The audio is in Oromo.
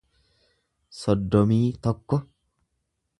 soddomii tokko